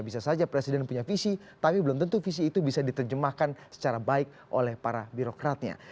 bisa saja presiden punya visi tapi belum tentu visi itu bisa diterjemahkan secara baik oleh para birokratnya